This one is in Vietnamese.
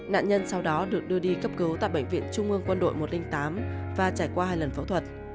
nạn nhân sau đó được đưa đi cấp cứu tại bệnh viện trung ương quân đội một trăm linh tám và trải qua hai lần phẫu thuật